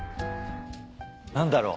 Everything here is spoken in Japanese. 何だろう？